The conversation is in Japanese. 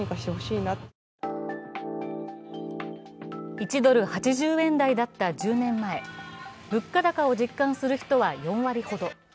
１ドル＝８０円台だった１０年前、物価高を実感する人は４割ほど。